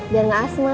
biar gak asma